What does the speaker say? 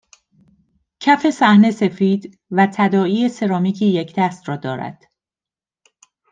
کف صحنه سفید و تداعی سرامیکی یکدست را دارد